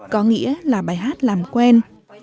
có nghĩa là bài hát làm quen